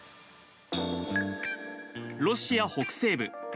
ロシア北西部。